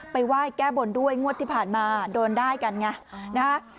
ไหว้แก้บนด้วยงวดที่ผ่านมาโดนได้กันไงนะฮะ